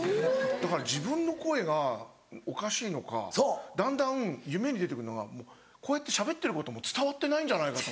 だから自分の声がおかしいのかだんだん夢に出てくるのがこうやってしゃべってることも伝わってないんじゃないかと。